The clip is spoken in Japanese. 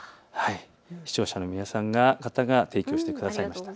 視聴者の皆さん方が提供くださいました。